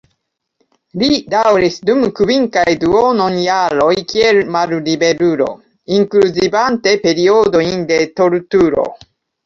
Li daŭris dum kvin kaj duonon jaroj kiel malliberulo, inkluzivante periodojn de torturo.